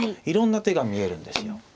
いろんな手が見えるんですよ。